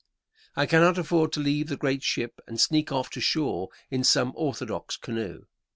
I cannot afford to leave the great ship and sneak off to shore in some orthodox canoe.